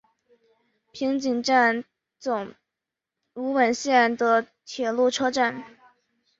平井站总武本线的铁路车站。